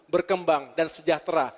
berkembang dan sejahtera